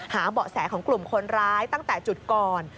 เบาะแสของกลุ่มคนร้ายตั้งแต่จุดก่อน